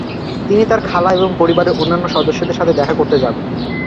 তিনি তার খালা এবং পরিবারের অন্যান্য সদস্যদের সাথে দেখা করতে যাবেন।